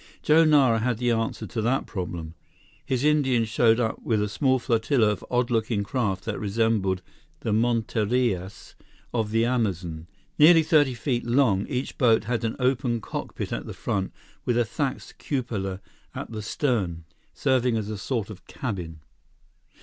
Joe Nara had the answer to that problem. His Indians showed up with a small flotilla of odd looking craft that resembled the monterias of the Amazon. Nearly thirty feet long, each boat had an open cockpit at the front with a thatched cupola at the stern, serving as a sort of cabin.